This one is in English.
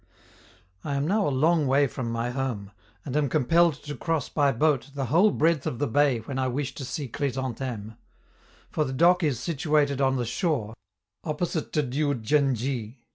I am now a long way from my home, and am compelled to cross by boat the whole breadth of the bay when I wish to see Chrysantheme; for the dock is situated on the shore, opposite to Diou djen dji.